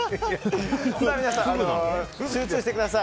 皆さん、集中してください。